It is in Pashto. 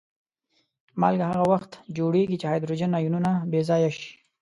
مالګه هغه وخت جوړیږي چې هایدروجن آیونونه بې ځایه شي.